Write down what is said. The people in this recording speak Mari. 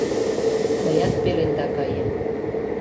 — Мыят пеленда каем...